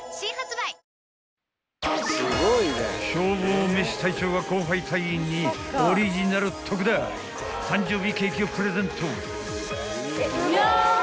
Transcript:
［消防めし隊長が後輩隊員にオリジナル特大誕生日ケーキをプレゼント］